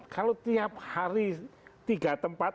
kalau tiap hari tiga tempat